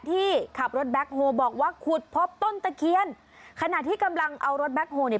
ที่ขับรถแบ็คโฮบอกว่าขุดพบต้นตะเคียนขณะที่กำลังเอารถแบ็คโฮลเนี่ย